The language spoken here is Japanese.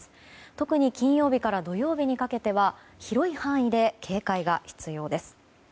特に金曜日から土曜日にかけては広い範囲で警戒が必要です。